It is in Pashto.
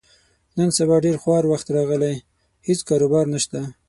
نن سبا ډېر خوار وخت راغلی، هېڅ کاروبار نشته.